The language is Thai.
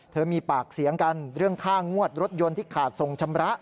มีปากเสียงกันเรื่องค่างวดรถยนต์ที่ขาดส่งชำระ